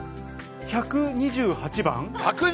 １２８番？